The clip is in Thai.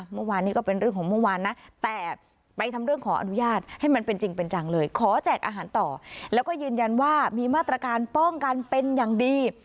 มีมาตรการป้องกันเป็นอย่างดี